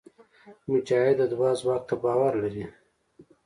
مجاهد د دعا ځواک ته باور لري.